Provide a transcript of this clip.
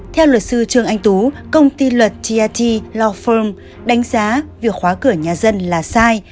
theo luật sư trương anh tú công ty luật trt law firm đánh giá việc khóa cửa nhà dân là sai